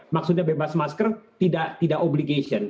maksudnya bebas masker tidak obligation